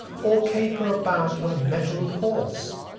Or caper about on a mettled horse!